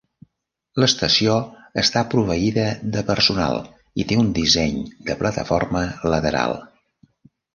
L'estació està proveïda de personal i té un disseny de plataforma lateral.